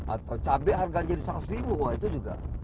atau cabai harganya jadi seratus ribu wah itu juga